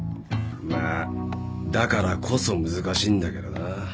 まあだからこそ難しいんだけどな